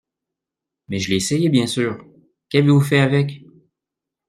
Mais je l’ai essayé bien sûr. Qu’avez-vous fait avec?